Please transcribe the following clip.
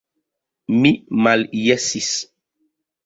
Mi maljesis.